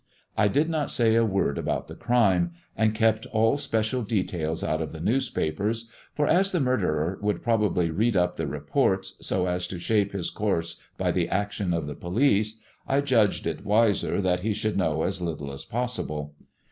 I did not say a word about the crime, and kept all special details out of the newspapers ; for as the murderer would probably read up the reports, so aa to shape his course by the action of the police, I judged it wiser that he should know as little as possible.